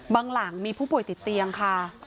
หลังมีผู้ป่วยติดเตียงค่ะ